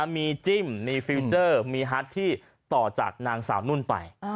มีจิ้มมีฟิลเจอร์มีฮัทที่ต่อจากนางสาวนุ่นไป